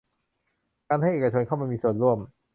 การให้เอกชนเข้ามามีส่วนร่วม